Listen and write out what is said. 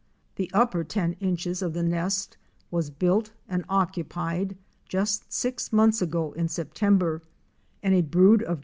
'The upper ten inches of the nest was built and occupied just six months ago in September, and a brood of Fic.